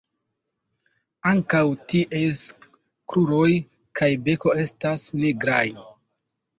Ankaŭ ties kruroj kaj beko estas nigraj.